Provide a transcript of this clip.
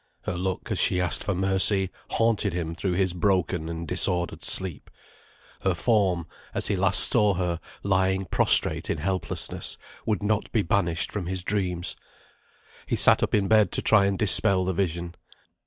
Her look, as she asked for mercy, haunted him through his broken and disordered sleep; her form, as he last saw her, lying prostrate in helplessness, would not be banished from his dreams. He sat up in bed to try and dispel the vision.